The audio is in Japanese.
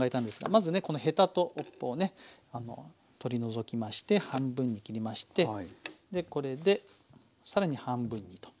まずねこのヘタと尾っぽをね取り除きまして半分に切りましてでこれで更に半分にと。